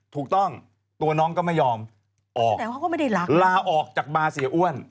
ถูกต้องตัวน้องก็ไม่ยอมออกลาออกจากบาร์เสียอ้วน